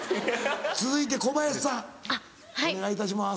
続いて小林さんお願いいたします。